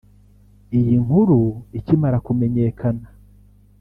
Iyi nkuru ikimara kumenyakana